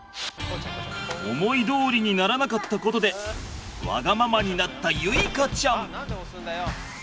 思いどおりにならなかったことでわがままになった結花ちゃん。